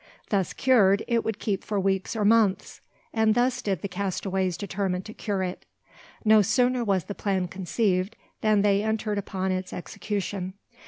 Thus cured, it would keep for weeks or months; and thus did the castaways determine to cure it. No sooner was the plan conceived, than they entered upon its execution.